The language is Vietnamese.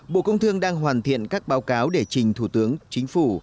bộ công thương đang hoàn thiện các báo cáo để trình thủ tướng chính phủ